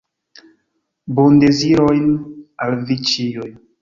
Bondezirojn al vi ĉiuj!